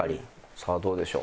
さあどうでしょう？